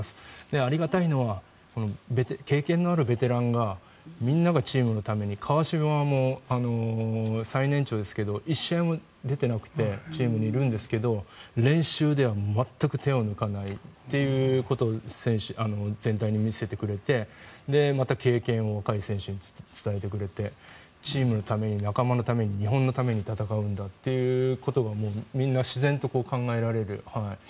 ありがたいのは経験のあるベテランがみんながチームのために川島も最年長ですけど１試合も出ていなくてチームにいるんですが練習では全く手を抜かないっていうことを全体に見せてくれて、また経験を若い選手に伝えてくれてチームのために仲間のために日本のために戦うんだということがみんな自然と考えられる。